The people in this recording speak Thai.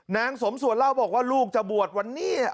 นางสมส่วนเล่าบอกว่าลูกจะบวชวันนี้